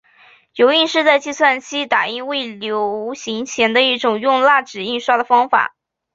油印是在计算机打印未流行前的一种用蜡纸印刷的方法。